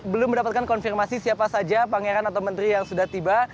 belum mendapatkan konfirmasi siapa saja pangeran atau menteri yang sudah tiba